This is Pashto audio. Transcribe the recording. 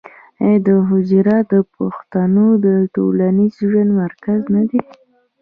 آیا حجره د پښتنو د ټولنیز ژوند مرکز نه دی؟